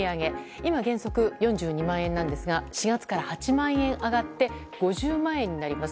今、原則４２万円ですが４月から８万円上がって５０万円になります。